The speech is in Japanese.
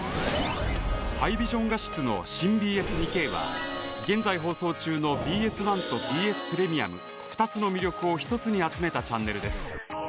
ハイビジョン画質の新ＢＳ２Ｋは現在放送中のＢＳ１とＢＳプレミアム２つの魅力を１つに集めたチャンネルです。